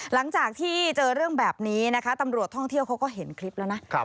หลังจากที่เจอเรื่องแบบนี้นะคะตำรวจท่องเที่ยวเขาก็เห็นคลิปแล้วนะ